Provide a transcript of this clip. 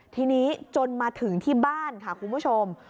ทีนี้จนมาถึงที่บ้านค่ะคุณผู้ชม